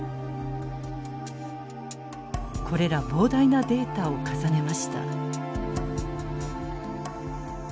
これら膨大なデータを重ねました。